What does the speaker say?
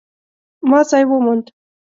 ما ځای وموند